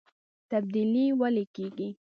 تبدیلي ولې کیږي؟